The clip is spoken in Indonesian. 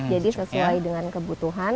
jadi sesuai dengan kebutuhan